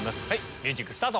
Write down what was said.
ミュージックスタート。